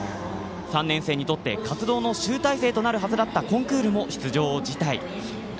３年生にとって活動の集大成となるコンクールも出場を辞退。